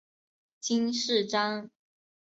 金饰章。